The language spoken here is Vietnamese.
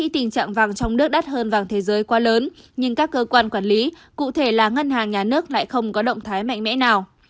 giá hơn vàng thế giới quá lớn nhưng các cơ quan quản lý cụ thể là ngân hàng nhà nước lại không có động thái mạnh mẽ nào